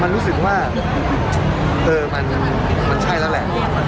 มันรู้สึกว่าเออมันใช่แล้วแหละ